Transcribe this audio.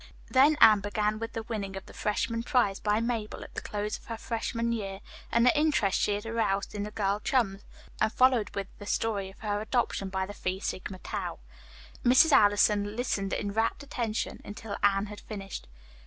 Then Anne began with the winning of the freshman prize by Mabel at the close of her freshman year, and the interest she had aroused in the girl chums, and followed with the story of her adoption by the Phi Sigma Tau. Mrs. Allison listened in rapt attention until Anne had finished.